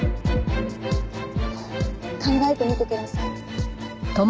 考えてみてください。